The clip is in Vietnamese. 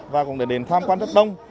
và cũng để đến tham quan rất đông